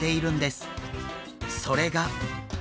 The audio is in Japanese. それが。